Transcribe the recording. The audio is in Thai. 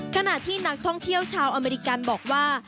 ขณะที่นักท่องเที่ยวชาวอเมริกันบอกว่า